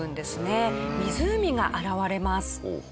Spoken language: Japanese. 湖が現れます。